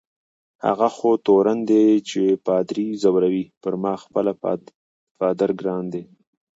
هغه خو تورن دی چي پادري ځوروي، پر ما خپله پادر ګران دی.